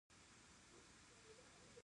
آیا دوی د خوندیتوب اصول نه ګوري؟